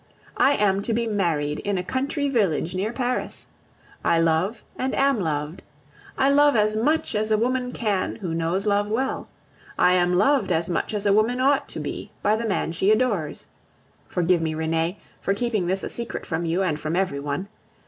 I am to be married in a country village near Paris. I love and am loved. I love as much as a woman can who knows love well. I am loved as much as a woman ought to be by the man she adores. Forgive me, Renee, for keeping this a secret from you and from every one.